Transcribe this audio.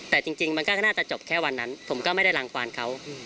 แต่จริงมันก็น่าจะจบแค่วันนั้นผมก็ไม่ได้รังความเขา